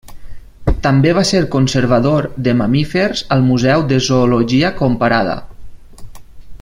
També va ser conservador de mamífers al Museu de Zoologia Comparada.